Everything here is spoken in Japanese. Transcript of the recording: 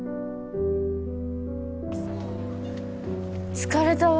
疲れたわ。